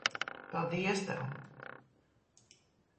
Paldies tev.